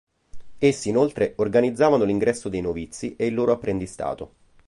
Essi inoltre organizzavano l'ingresso dei novizi e il loro apprendistato.